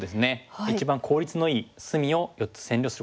一番効率のいい隅を４つ占領することができました。